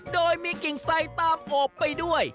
โดยมีกิ่งไซตามโอบไปด้วย